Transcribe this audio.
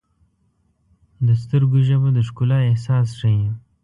د سترګو ژبه د ښکلا احساس ښیي.